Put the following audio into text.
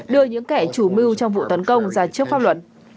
đưa những kẻ chủ mưu trong vụ đánh bom